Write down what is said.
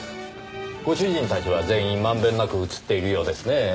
ご主人たちは全員まんべんなく写っているようですねぇ。